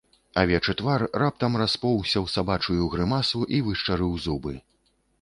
Авечы твар раптам распоўзся ў сабачую грымасу і вышчарыў зубы.